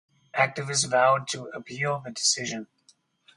Activists vowed to appeal the decision.